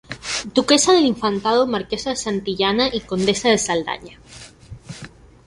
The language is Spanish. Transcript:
Duquesa del Infantado, Marquesa de Santillana y Condesa de Saldaña.